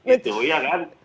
itu ya kan